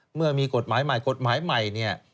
เมื่อมีกฎหมายใหม่กฎหมายใหม่เนี่ย